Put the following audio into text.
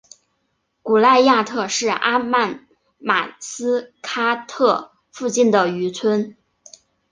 古赖亚特是阿曼马斯喀特附近的渔村。